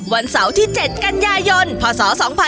วันเสาร์ที่๗กันยายนพศ๒๕๖๒